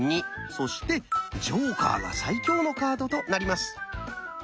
そしてジョーカーが最強のカードとなります。